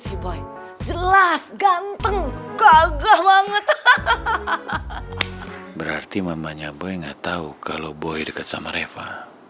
si boy jelas ganteng gagah banget hahaha berarti mamanya boy nggak tahu kalau boy dekat sama reva